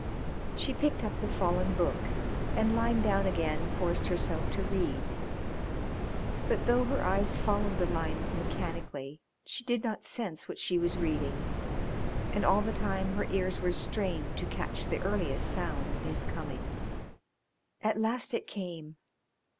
She picked up the fallen book, and lying down again forced herself to read, but though her eyes followed the lines mechanically she did not sense what she was reading, and all the time her ears were strained to catch the earliest sound of his coming. At last it came.